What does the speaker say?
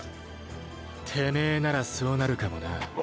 てめぇならそうなるかもな。お！